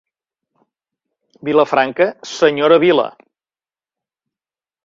Vilafranca, senyora vila.